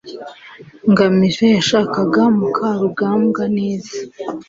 ngamije yashakaga mukarugambwa neza